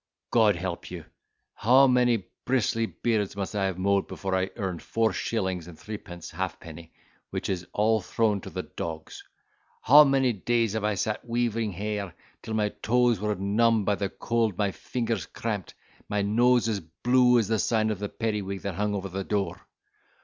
God help you, how many bristly beards must I have mowed before I earned four shillings and threepence halfpenny, which is all thrown to the dogs! How many days have I sat weaving hair till my toes were numbed by the cold, my fingers cramped, and my nose as blue as the sign of the periwig that hung over the door!